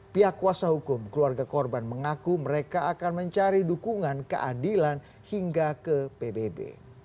pihak kuasa hukum keluarga korban mengaku mereka akan mencari dukungan keadilan hingga ke pbb